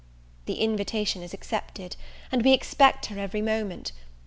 The invitation is accepted, and we expect her every moment.